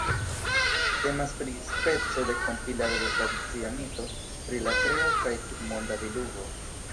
Temas pri speco de kompilado de tradicia mito pri la kreo kaj tutmonda diluvo.